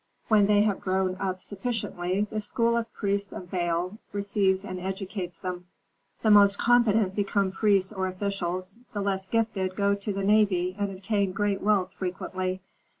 When they have grown up sufficiently, the school of priests of Baal receives and educates them. The most competent become priests or officials; the less gifted go to the navy and obtain great wealth frequently.